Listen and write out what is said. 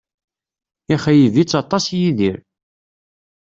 Ixeyyeb-itt aṭas Yidir